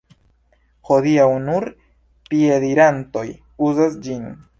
Hodiaŭ nur piedirantoj uzas ĝin.